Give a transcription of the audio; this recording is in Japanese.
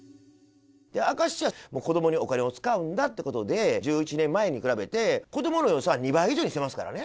明石市は子どもにお金を使うんだってことで、１１年前に比べて、子どもの予算を２倍以上にしてますからね。